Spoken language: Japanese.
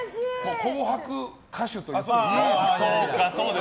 「紅白」歌手といっても。